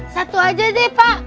satu aja deh pak